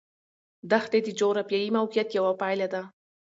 دښتې د جغرافیایي موقیعت یوه پایله ده.